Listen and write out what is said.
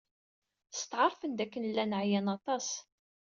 Steɛṛfen dakken llan ɛyan aṭas.